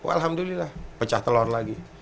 alhamdulillah pecah telor lagi